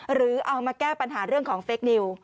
หรือเอามาแก้ปัญหาเรื่องของเฟคนิว